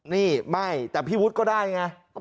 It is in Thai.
นี่ไม่แต่พี่วุฒิก็ได้ไง